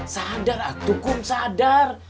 sadar atukum sadar